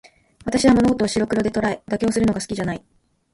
私は物事を白黒で捉え、妥協するのが好きじゃない。